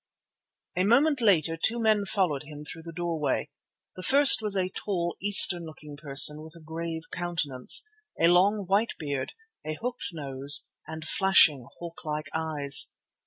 A moment later two men followed him through the doorway. The first was a tall, Eastern looking person with a grave countenance, a long, white beard, a hooked nose, and flashing, hawk like eyes.